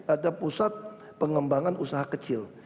ada pusat pengembangan usaha kecil